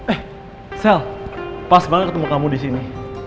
eh sel pas banget ketemu kamu disini